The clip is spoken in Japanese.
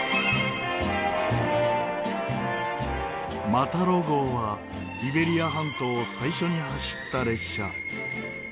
マタロ号はイベリア半島を最初に走った列車。